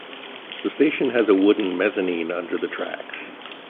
The station has a wooden mezzanine under the tracks.